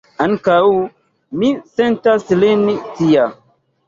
Ankaŭ mi sentas lin tia.